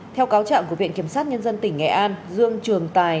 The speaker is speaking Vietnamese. theo cáo trạng của viện kiểm sát nhân dân tỉnh nghệ an dương trường tài